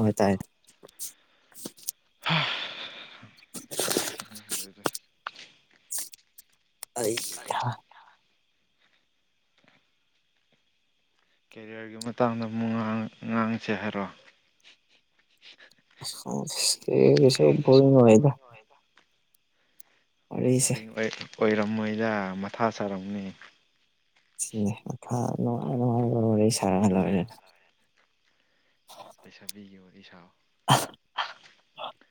ꯍꯣꯏ ꯇꯥꯏ ꯎ ꯑꯩ ꯀꯦꯔꯤꯌꯔꯒꯤ ꯃꯇꯥꯡꯗ ꯑꯃꯨꯛꯥꯡ ꯉꯥꯡꯁꯦ ꯍꯥꯏꯔꯣꯑꯣ ꯁ ꯅ ꯑꯣꯏꯗ ꯋꯥꯔꯤꯁꯦ ꯕꯣꯔꯤꯡ ꯑꯣꯏꯔꯝ ꯃꯣꯏꯗ ꯃꯊꯥ ꯁꯥꯔꯝꯅꯤ ꯅꯨꯡꯉꯥꯏ ꯅꯨꯡꯉꯥꯏ ꯋꯥꯔꯤ ꯁꯥꯔ ꯂꯣꯏꯔꯦꯅ ꯂꯩꯁꯥꯕꯤꯒꯤ ꯋꯥꯔꯤ ꯁꯥ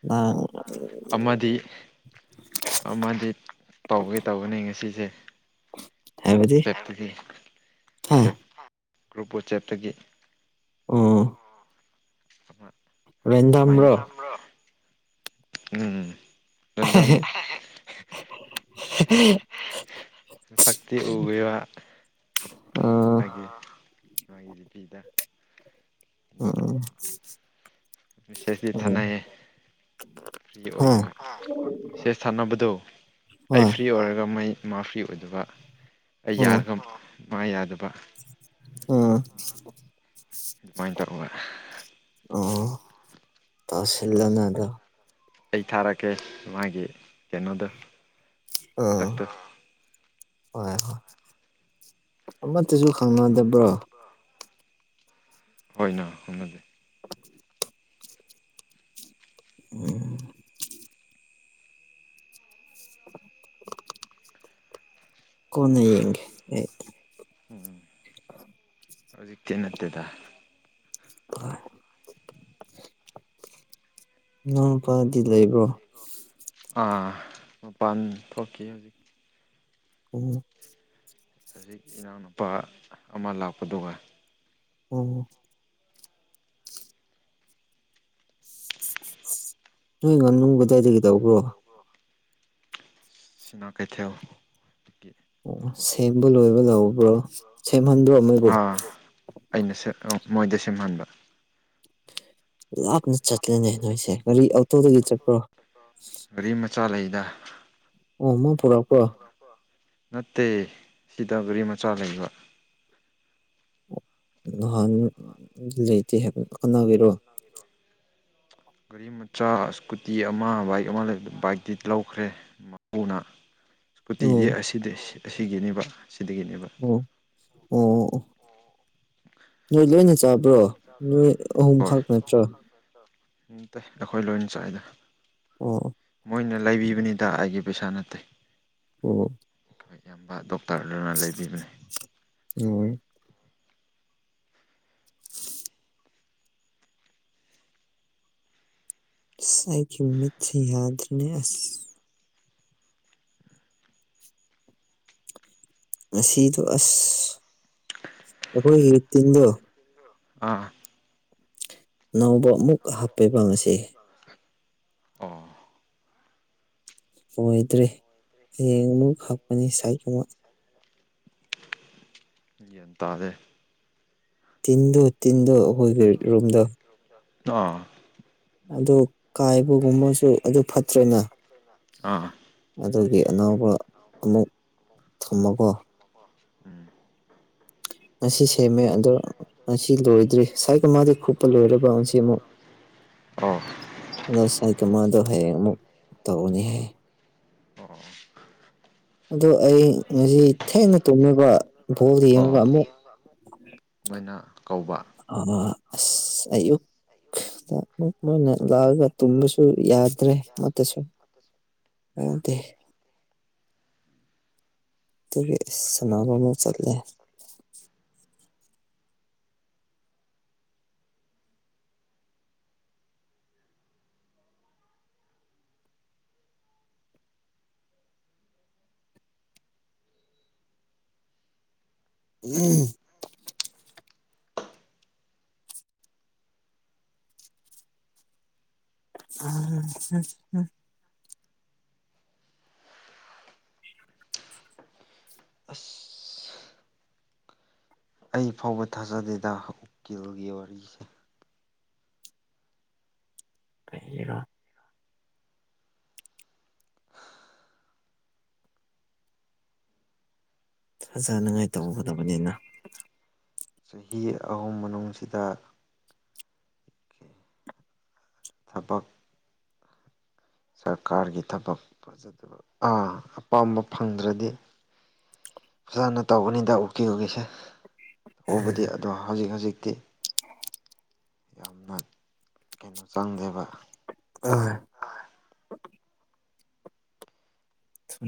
ꯑꯥ ꯃꯖꯤꯠ ꯇꯧꯒꯦ ꯇꯧꯕꯒꯅꯦ ꯉꯁꯤꯁꯦ ꯍꯥꯏꯕꯗꯤ ꯆꯠ ꯃ ꯍꯥ ꯆꯠ ꯀ꯭ꯔꯨꯄꯣ ꯆꯦꯞꯇꯒꯤ ꯎꯝ ꯃꯥꯏ ꯎꯝ ꯔꯦꯟꯗꯝ [unintelligible] ꯁꯛꯇꯤ ꯎꯕꯤꯕ ꯃꯥꯒꯤ ꯃꯥꯒꯤ ꯅꯨꯄꯤꯗ ꯎꯝ ꯃꯤꯁꯦꯁꯗꯤ ꯎꯝ ꯊꯅꯌꯦ ꯐ꯭ꯔꯤ ꯍꯥ ꯑꯣꯏꯗꯕ ꯁꯦꯁ ꯁꯥꯟꯅꯕꯗꯣ ꯑꯩ ꯍꯣꯏ ꯐ꯭ꯔꯤ ꯑꯣꯏꯔꯒ ꯃꯩ ꯃꯥ ꯐ꯭ꯔꯤ ꯑꯣꯏꯗꯕ ꯑꯩ ꯌꯥꯔꯒ ꯃꯥ ꯌꯥꯗꯕ ꯑꯥ ꯃ ꯇꯧꯔ ꯇꯁꯅꯗ ꯑꯩ ꯊꯥꯔꯛꯀꯦ ꯃꯥꯒꯤ ꯀꯩꯅꯣꯗꯣ ꯑꯥ ꯁꯛꯇꯨ ꯍꯣꯏ ꯍꯣꯏ ꯑꯃꯠꯇꯁꯨ ꯈꯪꯅꯗꯕ꯭ꯔꯣ ꯍꯣꯏꯅ ꯍꯣꯅꯗꯦ [unintelligible] ꯎꯝ ꯀꯅꯌꯦ ꯎꯝ ꯎꯝ [unintelligible] ꯍꯧꯖꯤꯛꯇꯤ ꯅꯠꯇꯦꯗ ꯑ ꯅꯪ ꯐꯗꯤ ꯂꯩꯕ꯭ꯔꯣ ꯃꯄꯥꯟ ꯊꯣꯛꯈꯤ ꯍꯧꯖꯤꯛ ꯎꯝ ꯍꯧꯖꯤꯛ ꯏꯅꯥꯎꯅꯨꯄꯥ ꯑꯃ ꯂꯥꯛꯄꯗꯨꯒ ꯎꯝ ꯅꯣꯏ ꯉꯥꯅꯨꯡ ꯀꯗꯥꯏꯗꯗꯒꯤ ꯇꯧꯕ꯭ꯔꯣ ꯁꯤꯅꯥ ꯀꯩꯊꯦꯜ ꯑꯣ ꯁꯦꯝꯕ ꯂꯣꯏꯕ ꯂꯧꯕ꯭ꯔꯣ ꯁꯦꯝꯍꯟꯕ꯭ꯔꯣ ꯃꯣꯏꯕꯨ ꯑꯥ ꯑꯩꯅ ꯁꯦ ꯃꯣꯏꯗ ꯁꯦꯝꯍꯟꯕ ꯂꯥꯞꯅ ꯆꯠꯂꯦꯅꯦ ꯅꯣꯏꯁꯦ ꯀꯔꯤ ꯑꯣꯇꯣꯗꯒꯤ ꯆꯠꯄ꯭ꯔꯣ ꯒꯥꯔꯤ ꯃꯆꯥ ꯂꯩꯗ ꯑꯣꯃ ꯄꯨꯔꯛꯄ ꯅꯠꯇꯦ ꯁꯤꯗ ꯒꯔꯤ ꯃꯆꯥ ꯂꯩꯕ ꯅꯍꯥꯟ ꯂꯩꯇꯦ ꯈꯅꯒꯤꯔꯣ ꯒꯥꯔꯤ ꯃꯆꯥ ꯏꯁꯀꯨꯇꯤ ꯑꯃ ꯕꯥꯏꯛ ꯑꯃ ꯕꯥꯏꯛꯇꯤ ꯂꯧꯈ꯭ꯔꯦ ꯎꯅ ꯁ꯭ꯀꯨꯇꯤꯗꯤ ꯑꯣ ꯑꯁꯤꯗꯤ ꯑꯁꯤꯒꯤꯅꯦꯕ ꯁꯤꯗꯒꯤꯅꯦꯕ ꯑꯣ ꯑꯣ ꯑꯣ ꯅꯣꯏ ꯂꯣꯏꯅ ꯆꯥꯕ꯭ꯔꯣ ꯅꯣꯏ ꯑꯍꯨꯝꯈꯛ ꯅꯠꯇ꯭ꯔꯥ ꯇꯦ ꯑꯩꯈꯣꯏ ꯂꯣꯏꯅ ꯆꯥꯏꯏꯗ ꯑꯥ ꯃꯣꯏꯅ ꯂꯩꯕꯤꯕꯅꯤꯗ ꯑꯩꯒꯤ ꯄꯩꯁꯥ ꯅꯠꯇꯦ ꯑꯣ ꯑꯩꯈꯣꯏ ꯌꯥꯝꯕ ꯗꯣꯛꯇꯔ ꯑꯗꯨꯅ ꯂꯩꯕꯤꯕꯅꯤ ꯍ ꯁꯥꯏꯒꯤ ꯃꯊ꯭ ꯌꯥꯗꯅꯦ ꯑꯁ ꯑꯁꯤꯗꯣ ꯑꯁ ꯑꯩꯈꯣꯏ ꯍ ꯇꯤꯟꯗꯣ ꯑꯥ ꯅꯧꯕ ꯑꯃꯨꯛ ꯍꯥꯞꯄꯤꯕ ꯉꯁꯤ ꯑ ꯑꯣꯏꯗ꯭ꯔꯦ ꯍꯌꯦꯡ ꯑꯃꯨ ꯍꯥꯞꯄꯅꯤ ꯁꯥꯏ ꯀꯨꯝꯕ ꯌꯟꯇꯥꯗꯦ ꯇꯤꯟꯗꯣ ꯇꯤꯟꯗꯣ ꯑꯩꯈꯣꯏꯒꯤ ꯔꯨꯝꯗ ꯑꯥ ꯑꯗꯨ ꯀꯥꯏꯕꯒꯨꯝꯕꯁꯨ ꯑꯗꯨ ꯐꯠꯇ꯭ꯔꯦꯅ ꯑꯥ ꯑꯗꯨꯒꯤ ꯑꯅꯥꯕ ꯑꯃꯨꯛ ꯊꯝꯃꯒꯣ ꯎꯝ ꯃꯁꯤꯁꯤ ꯁꯦꯃꯦ ꯑꯗꯨꯗ꯭ꯔꯣ ꯑꯁꯤ ꯂꯣꯏꯗ꯭ꯔꯤ ꯁꯥꯏꯒ ꯃꯥꯗꯤꯩ ꯈꯨꯄ ꯂꯣꯏꯦꯔꯕ ꯉꯁꯤ ꯑꯃꯨꯛ ꯑꯣ ꯁꯥꯏ ꯀꯃꯥꯗ ꯍꯥꯏ ꯑꯃꯨꯛ ꯇꯧꯅꯤ ꯍꯥꯏ ꯑꯣ ꯑꯗꯨꯣ ꯑꯩ ꯉꯁꯤ ꯊꯦꯡꯅ ꯇꯣꯡꯅꯕ ꯚꯥꯎꯗ ꯌꯦꯡꯉꯒ ꯑꯣ ꯑꯃꯨꯛ ꯃꯣꯏꯅ ꯀꯧꯕ ꯑꯁ ꯑꯨꯛ ꯃ ꯃꯣꯏ ꯂꯥꯛꯑꯒ ꯇꯨꯝꯕꯁꯨ ꯌꯥꯗ꯭ꯔꯦ ꯎꯝ ꯃꯁꯨꯗꯗꯤ ꯇꯨꯔꯤꯁ ꯁꯥꯟꯅꯕ ꯑꯃ ꯆꯠꯂꯦ ꯎꯝ ꯎꯝ ꯑꯁ ꯑꯩ ꯐꯥꯎꯕ ꯊꯥꯖꯗꯦꯗ ꯎꯀꯤꯜꯒꯤ ꯋꯥꯔꯤꯁꯦ ꯀꯩꯒꯤꯔꯣ ꯐꯖꯅꯉꯥꯏ ꯇꯧꯒꯗꯕꯅꯤꯅ ꯆꯍꯤ ꯑꯍꯨꯝ ꯃꯅꯨꯡꯁꯤꯗ ꯆꯇꯣꯛ ꯁꯔꯀꯥꯔꯒꯤ ꯊꯕꯛ ꯐꯖꯗꯕ ꯑꯥ ꯑꯄꯥꯝꯕ ꯐꯪꯗ꯭ꯔꯗꯤ ꯐꯖꯅ ꯇꯧꯕꯅꯤꯗ ꯎꯛꯀꯤ ꯎꯀꯤꯁꯦ ꯎꯕꯨꯗꯤ ꯑꯗꯣ ꯍꯧꯖꯤꯛ ꯍꯧꯖꯤꯛꯇꯤ ꯌꯥꯝꯅ ꯀꯩꯅꯣ ꯆꯪꯗꯦꯕ ꯑ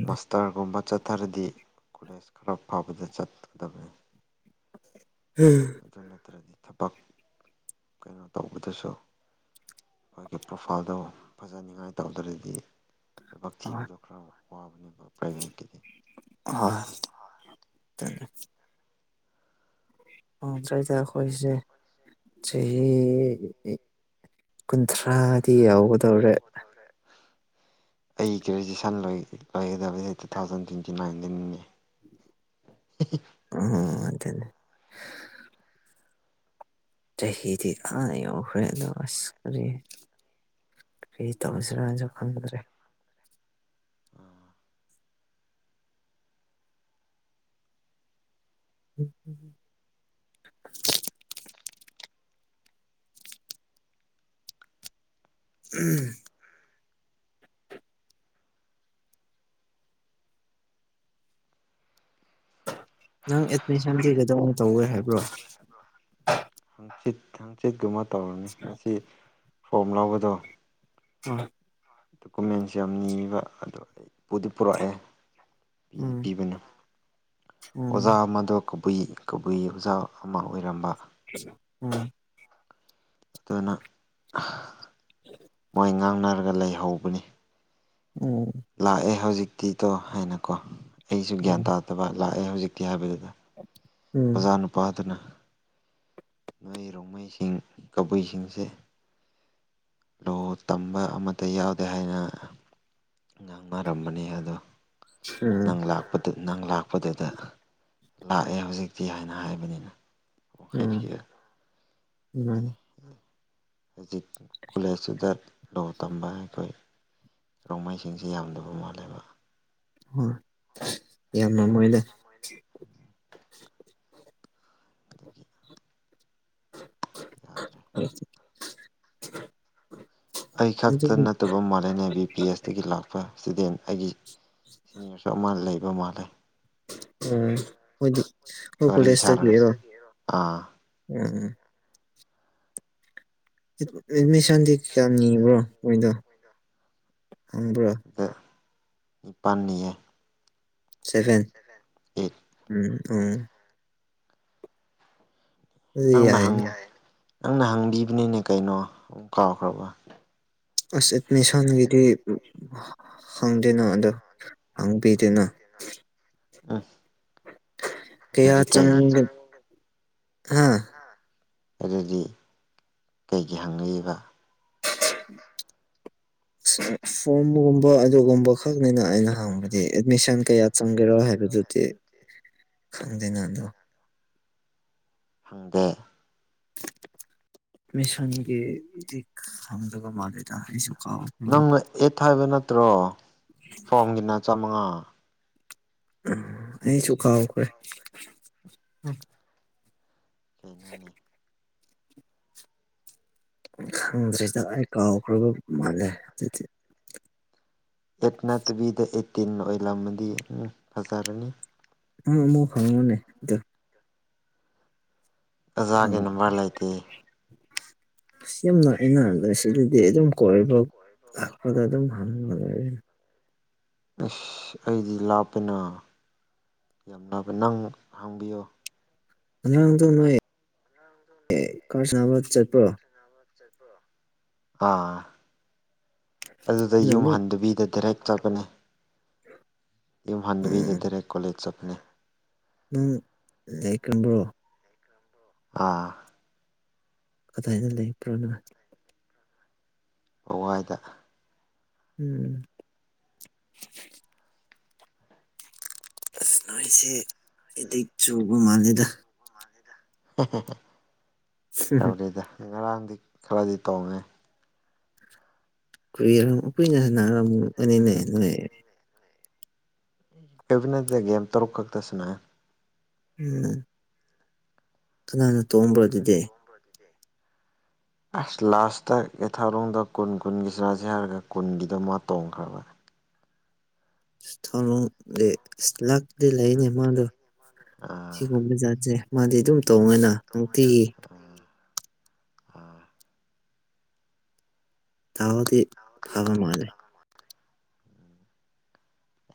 ꯃꯥꯁꯇꯔꯒꯨꯝꯕ ꯆꯠꯊꯔꯗꯤ ꯀꯣꯂꯦꯖ ꯈꯔ ꯐꯕꯗ ꯆꯠꯀꯗꯕꯅꯤ ꯍꯣꯏ ꯑꯗꯨ ꯅꯠꯇ꯭ꯔꯗꯤ ꯊꯕꯛ ꯀꯩꯅꯣ ꯇꯧꯕꯗꯁꯨ ꯑꯩꯈꯣꯏꯒꯤ ꯄ꯭ꯔꯣꯐꯥꯏꯜꯗꯣ ꯐꯖꯅꯤꯉꯥꯏ ꯇꯧꯗ꯭ꯔꯗꯤ ꯊꯕꯛ ꯍꯣꯏ ꯊꯤꯕꯗꯣ ꯈꯔ ꯋꯥꯕꯅꯦꯕ ꯄ꯭ꯔꯥꯏꯚꯦꯠꯀꯤꯗꯤ ꯍ ꯑꯣꯗ꯭ꯔꯏꯗ ꯑꯩꯈꯣꯏꯁꯦ ꯆꯍꯤ ꯀꯨꯟꯊ꯭ꯔꯥꯗꯤ ꯌꯥꯎꯒꯗꯧꯔꯦ ꯑꯩ ꯒ꯭ꯔꯦꯖꯨꯋꯦꯁꯟ ꯂꯣꯏꯒꯗꯕꯕꯁꯤ ꯇꯨ ꯊꯥꯎꯖꯟ ꯇ꯭ꯋꯦꯟꯇꯤ ꯅꯥꯏꯟꯗꯒꯤꯅꯦ [unintelligible] ꯑꯗ ꯆꯍꯤꯍꯤꯗꯤ ꯀ ꯑꯣꯈꯔꯦꯗꯁꯦ ꯀ ꯇꯧꯁꯤꯔꯁꯨ ꯈꯪꯗ꯭ꯔꯦ ꯎꯝ ꯎ ꯎꯝ ꯅꯪ ꯑꯦꯠꯃꯤꯁꯟ ꯄꯤꯒꯗꯧꯅ ꯇꯧꯋꯦ ꯍꯥꯏꯕ꯭ꯔꯣ ꯍꯪꯆꯤꯠ ꯍꯥꯡꯆꯤꯠꯀꯨꯝꯕ ꯇꯧꯔꯅꯤ ꯉꯁꯤ ꯐꯣꯝ ꯂꯧꯕꯗꯣ ꯎ ꯗꯣꯀꯨꯃꯦꯟꯁ ꯌꯥꯝ ꯅꯤꯕ ꯑꯗꯣ ꯑꯩ ꯄꯨꯗꯤ ꯄꯨꯔꯛꯑꯦ ꯄꯤꯗꯤ ꯎꯝ ꯄꯤꯕꯅ ꯎꯝ ꯑꯣꯖꯥ ꯑꯃꯗꯣ ꯀꯕꯨꯏ ꯀꯕꯨꯏ ꯑꯣꯖꯥ ꯑꯃ ꯑꯣꯏꯔꯝꯕ ꯎꯝ ꯑꯇꯨꯅ ꯃꯣꯏ ꯉꯥꯡꯅꯔꯒ ꯂꯩꯍꯧꯕꯅꯤ ꯎꯝ ꯂꯥꯛꯑꯦ ꯍꯧꯖꯤꯛꯇꯤꯗꯣ ꯍꯥꯏꯅꯀꯣ ꯑꯩꯁꯨ ꯒ꯭ꯌꯥꯟ ꯎꯝ ꯇꯥꯗꯕ ꯂꯥꯛꯑꯦ ꯍꯧꯖꯤꯛꯇꯤ ꯍꯥꯏꯕꯗꯨꯗ ꯎꯝ ꯑꯣꯖꯥ ꯅꯨꯄꯥꯗꯅ ꯅꯣꯏ ꯔꯣꯡꯃꯩꯁꯤꯡ ꯀꯕꯨꯏꯁꯤꯡꯁꯦ ꯂꯣ ꯇꯝꯕ ꯑꯃꯠꯇ ꯌꯥꯎꯗꯦ ꯍꯥꯏꯅ ꯉꯥꯡꯅꯔꯝꯕꯅꯤ ꯑꯗꯣ ꯅꯪ ꯂꯥꯛꯄꯗ ꯅꯪ ꯂꯥꯛꯄꯗꯨꯗ ꯂꯥꯛꯑꯦ ꯍꯧꯖꯤꯛꯇꯤ ꯍꯥꯏꯅ ꯍꯥꯏꯕꯅꯤꯅ ꯄꯡꯈꯠꯈꯤꯦ ꯍ ꯍꯧꯖꯤꯛ ꯀꯣꯂꯦꯖꯇꯨꯗ ꯂꯣ ꯇꯝꯕ ꯑꯩꯈꯣꯏ ꯔꯣꯡꯃꯩꯁꯤꯡꯁꯤ ꯌꯥꯝꯗꯕ ꯃꯥꯜꯂꯦꯕ ꯌꯥꯝ ꯃꯣꯏꯗ ꯑꯗꯨꯒꯤ ꯌꯥꯗ꯭ꯔꯦ ꯎꯝ ꯑꯩ ꯑꯗꯨ ꯈꯛꯇ ꯅꯠꯇꯕ ꯃꯥꯂꯦꯝꯂꯦꯅ ꯕꯤ ꯄꯤ ꯑꯦꯁꯇꯒꯤ ꯂꯥꯛꯄ ꯏꯁꯇꯨꯗꯦꯟ ꯑꯩꯒꯤ ꯁꯤꯅꯤꯌꯔꯁꯨ ꯃꯥ ꯂꯩꯕ ꯃꯥꯜꯂꯦ ꯑ ꯍꯣꯏ ꯑꯣ ꯋꯥꯔꯤ ꯀꯣꯂꯦꯖꯇ ꯁꯥꯔꯒ ꯀꯔꯣ ꯑꯥ ꯎꯝ ꯑꯦꯠꯃꯤꯁꯟꯗꯤ ꯀꯌꯥꯝ ꯅꯤꯕ꯭ꯔꯣ ꯃꯣꯏꯗꯣ ꯍꯪꯕ꯭ꯔꯣ ꯅꯤꯄꯜꯅꯤꯌꯦ ꯁꯚꯦꯟ ꯎꯝ ꯎ ꯅꯪꯅ ꯍꯪ ꯑꯏꯅ ꯅꯪꯅ ꯍꯪꯕꯤꯕꯅꯤꯅꯦ ꯀꯩꯅꯣ ꯑꯃꯨꯛ ꯀꯥꯎꯈ꯭ꯔꯕ ꯑꯁ ꯑꯦꯠꯃꯤꯁꯟꯒꯤꯗꯤ ꯍꯪꯗꯦꯅ ꯑꯗꯣ ꯍꯪꯕꯤꯗꯅ ꯎꯝ ꯀꯌꯥ ꯑꯗꯨꯗꯤ ꯀꯩꯒꯤ ꯆꯪꯒ ꯍꯥ ꯑꯗꯨꯗꯤ ꯀꯩꯒꯤ ꯍꯪꯉꯛꯏꯕ ꯐꯣꯝꯕꯒꯣꯕ ꯑꯗꯨꯒꯨꯝꯕ ꯈꯛꯅꯤꯅ ꯑꯩꯅ ꯍꯪꯕꯗꯤ ꯑꯦꯠꯃꯤꯁꯟ ꯀꯌꯥ ꯆꯪꯒꯦꯔꯣ ꯍꯥꯏꯕꯗꯨꯗꯤ ꯈꯪꯗꯅ ꯑꯗꯣ ꯐꯪꯗꯦ ꯃꯤꯁꯟꯒꯤꯗꯤ ꯈꯪꯗꯕꯥ ꯃꯜꯂꯤꯗ ꯑꯩꯁꯨ ꯀꯥꯎꯈ꯭ꯔꯕ ꯅꯪꯅ ꯑꯦꯠ ꯍꯥꯏꯕ ꯅꯠꯇ꯭ꯔꯣ ꯐꯣꯔꯝꯒꯤꯅ ꯆꯥꯃꯉꯥ ꯑꯁꯨ ꯈꯥꯎ ꯈꯔꯦ ꯀꯩꯅꯣꯅꯦ [unintelligible] ꯈꯪꯗ꯭ꯔꯤꯗ ꯑꯩ ꯀꯥꯎꯈ꯭ꯔꯕ ꯃꯥꯜꯂꯦ ꯑꯗꯨꯗꯤ ꯇꯤꯟ ꯑꯣꯏꯂꯝꯃꯗꯤ ꯎꯝ ꯐꯖꯔꯅꯤ [unintelligible] ꯑꯣꯖꯥꯒꯤ ꯅꯝꯕꯔ ꯂꯩꯇꯦ ꯁꯤ ꯌꯥꯝꯅ ꯑꯩꯅꯗ [unintelligible] ꯑꯗꯨꯝ ꯀꯣꯏꯕ ꯂꯥꯛꯄꯗ ꯑꯗꯨꯝ ꯍꯪꯕ ꯂꯩ ꯑꯁ ꯑꯩꯗꯤ ꯂꯥꯞꯄꯦꯅ ꯌꯥꯝ ꯂꯥꯞꯄꯦ ꯅꯪ ꯍꯪꯕꯤꯌꯣ ꯑꯉꯥꯡꯗ ꯅꯣꯏ ꯀꯔ ꯁꯥꯟꯅꯕ ꯆꯠꯄ꯭ꯔꯣ ꯑꯥ ꯑꯗꯨꯗ ꯑꯗꯨꯅ ꯌꯨꯝ ꯑꯃꯨꯛ ꯍꯟꯗꯨꯕꯤꯗ ꯗꯥꯏꯔꯦꯛ ꯆꯠꯀꯅꯦ ꯌꯨꯝ ꯍꯟꯗꯕꯤꯗ ꯎꯝ ꯗꯥꯢꯔꯦꯛ ꯀꯣꯂꯦꯖ ꯆꯠꯄꯅꯦ ꯅꯪ ꯂꯩ ꯀꯝꯕ꯭ꯔꯣ ꯑꯥ ꯀꯗꯥꯏꯅ ꯂꯩꯄ꯭ꯔꯥ ꯅꯪ ꯋꯥꯋꯥꯏꯗ ꯎꯝ ꯑꯁ ꯅꯣꯢꯁꯦ ꯑꯦꯗꯤꯛ ꯆꯨꯕ ꯃꯥꯂꯦꯗ ꯇꯧꯔꯤꯗ ꯉꯔꯥꯡꯗꯤ ꯈꯔꯗꯤ ꯇꯣꯡꯉꯦ ꯀꯨꯏꯔ ꯀꯨꯏꯅ ꯅꯥꯔꯝꯒꯅꯤꯅꯦ ꯅꯣꯏ [unintelligible] ꯒꯦꯝ ꯇꯔꯨꯛ ꯈꯛꯇ ꯁꯥꯟꯅꯩ ꯎꯝ ꯀꯅꯥꯅ ꯇꯣꯝꯕ꯭ꯔꯣ ꯑꯗꯨꯗꯤ ꯑꯁ ꯂꯥꯁꯇ ꯑꯦꯊꯥꯎꯔꯣꯡꯗ ꯀꯨꯟ ꯀꯨꯟꯒꯤ ꯆꯔꯥꯁꯦ ꯍꯥꯏꯔꯒ ꯀꯨꯟꯒꯤꯗꯣ ꯃꯥ ꯇꯣꯡꯈ꯭ꯔꯥꯕ [unintelligible] ꯑꯁ ꯂꯥꯛꯄꯗꯤ ꯂꯩꯅꯦ ꯃꯥꯗꯣ ꯑꯥ ꯑꯥ ꯁꯤꯒꯨꯝꯕ ꯖꯥꯠꯁꯦ ꯃꯥꯗꯤ ꯑꯗꯨꯝ ꯇꯣꯡꯉꯦꯅ ꯅꯨꯡꯇꯤꯒꯤ ꯑꯥ ꯇꯥꯎꯗꯤ ꯐꯕ ꯃꯥꯜꯂꯦ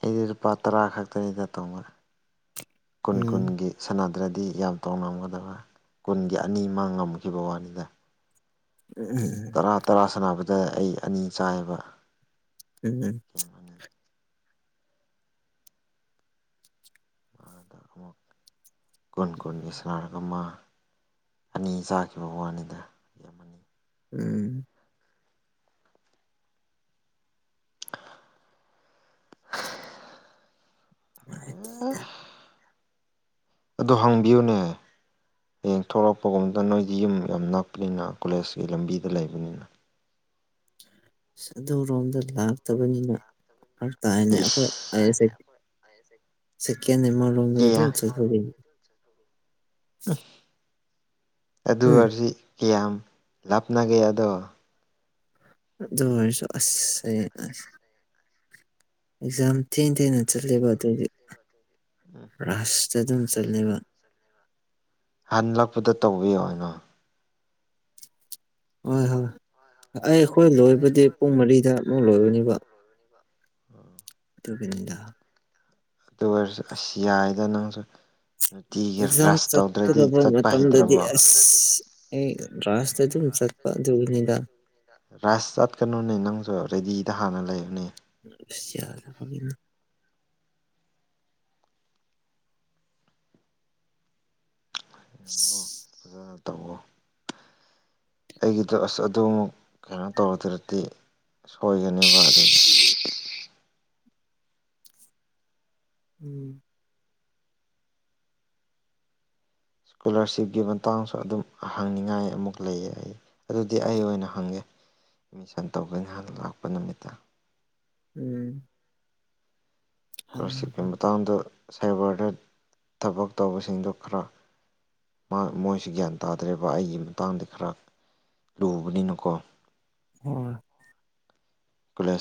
ꯑꯩꯗꯤ ꯂꯨꯄꯥ ꯇꯔꯥ ꯈꯛꯇꯅꯤꯗ ꯇꯣꯡꯕ ꯀꯨꯟ ꯎꯝ ꯀꯨꯟꯒꯤ ꯁꯥꯟꯅꯗ꯭ꯔ ꯗꯤ ꯌꯥꯝ ꯇꯣꯡꯂꯝꯒꯗꯕ ꯀꯨꯟꯒꯤ ꯑꯅꯤ ꯃꯥ ꯉꯝꯈꯤꯕ ꯋꯥꯅꯤꯗ ꯎꯝ ꯇꯔꯥ ꯇꯔꯥ ꯁꯥꯟꯅꯕꯗ ꯑꯩ ꯑꯅꯤ ꯆꯥꯏꯕ [unintelligible] ꯑꯃ ꯑꯃꯨꯛ ꯀꯨꯟ ꯀꯨꯟꯒꯤ ꯁꯥꯟꯅꯔꯒ ꯑꯃ ꯑꯅꯤ ꯆꯥꯈꯤꯕ ꯋꯥꯅꯤꯗ ꯌꯥꯝ ꯑꯅꯤ ꯎꯝ ꯅꯨꯡꯉꯥꯏꯇꯦꯗ ꯑꯗꯣ ꯍꯪꯕꯤꯌꯨꯅꯦ ꯍꯌꯦꯡ ꯊꯣꯛꯂꯛꯄꯒꯨꯝꯕꯗ ꯅꯣꯏꯗꯤ ꯌꯨꯝ ꯌꯥꯝ ꯅꯛꯄꯅꯤꯅ ꯀꯣꯂꯦꯖꯀꯤ ꯂꯝꯕꯤꯗ ꯂꯩꯕꯅꯤꯅ ꯑꯗꯨꯔꯣꯝꯗ ꯂꯥꯛꯇꯕꯅꯤꯅ ꯐꯔꯛ ꯇꯥꯏꯅꯦ ꯑꯩꯈꯣꯏ ꯏꯁ ꯑꯥꯢ ꯀꯌꯥ [unintelligible] ꯀꯦꯟ [unintelligible] [unintelligible] ꯑꯗꯨ ꯎꯝ ꯑꯣꯢꯔꯁꯤ ꯀꯌꯥꯝ ꯂꯥꯞꯅꯒꯦ ꯑꯗꯣ ꯑꯗꯨ ꯑꯣꯢꯔꯁꯨ ꯑꯁ ꯑꯩ ꯑꯁ ꯑꯦꯛꯖꯥꯝ ꯊꯦꯡ ꯊꯦꯡꯅ ꯆꯠꯂꯦꯕ ꯑꯗꯨꯒꯤ ꯔꯥꯁ ꯆꯗꯨꯝ ꯆꯠꯂꯦꯕ ꯍꯟꯂꯛꯄꯗ ꯇꯧꯕꯤꯌꯣꯅꯣ ꯍꯣꯏ ꯍꯣꯏ ꯑꯩ ꯑꯩꯈꯣꯏ ꯂꯣꯏꯕꯗꯤ ꯄꯨꯡ ꯃꯔꯤꯗ ꯑꯃꯨꯛ ꯂꯣꯏꯕꯅꯦꯕ ꯎꯝ ꯑꯗꯨꯒꯤꯅꯤꯗ ꯑꯗꯨ ꯑꯣꯏꯔꯁꯨ ꯑꯁ ꯌꯥꯏꯗ ꯅꯪꯁꯨ ꯅꯨꯡꯇꯤꯒꯤ ꯑꯦꯛꯖꯥꯝ ꯔꯁ ꯇꯧꯗ꯭ꯔꯗꯤ ꯆꯠꯀꯗꯕ ꯆꯠꯄ ꯃꯇꯝꯗꯗꯤ ꯍꯩꯇ꯭ꯔꯕꯣ ꯑꯁ ꯑꯩ ꯔꯥꯁꯇ ꯑꯗꯨꯝ ꯆꯠꯄ ꯑꯗꯨꯒꯤꯅꯤꯗꯥ ꯔꯥꯏꯁ ꯆꯠꯀꯅꯨꯅꯦ ꯅꯪꯁꯨ ꯔꯦꯗꯤꯗ ꯍꯥꯟꯅ ꯂꯩꯅꯦ [unintelligible] ꯑꯣ ꯑꯩꯒꯤꯗ ꯑꯁ ꯑꯗꯨ ꯑꯃꯨꯛ ꯀꯩꯅꯣ ꯇꯧꯔꯗ꯭ꯔꯗꯤ ꯁꯣꯏꯒꯅꯤꯕ ꯑꯗꯨꯒꯤ ꯎꯝ ꯏꯁꯀꯣꯂꯥꯔꯁꯤꯞꯀꯤ ꯃꯇꯥꯡꯁꯨ ꯑꯗꯨꯝ ꯍꯪꯅꯤꯡꯉꯥꯏ ꯑꯃꯨꯛ ꯂꯩꯌꯦ ꯑꯩ ꯑꯗꯨꯗꯤ ꯑꯩ ꯑꯣꯏꯅ ꯍꯪꯉꯦ ꯑꯦꯠꯃꯤꯁꯟ ꯇꯧꯕꯒꯤ ꯉꯥꯍꯟ ꯂꯥꯛꯄ ꯅꯨꯃꯤꯠꯇ ꯎꯝ ꯏꯁꯀꯣꯂꯥꯔꯁꯤꯞꯀꯤ ꯍꯣꯏ ꯃꯇꯥꯡꯗ ꯁꯥꯏꯕꯔꯗ ꯊꯕꯛ ꯇꯧꯕꯁꯤꯡꯗꯨ ꯈꯔ ꯃꯣꯏꯁꯤ ꯒ꯭ꯌꯥꯟ ꯇꯥꯗ꯭ꯔꯦꯕ ꯑꯩꯒꯤ ꯃꯇꯥꯡꯗ ꯈꯔ ꯂꯨꯕꯅꯤꯅꯀꯣ ꯍꯣꯏ ꯈꯂ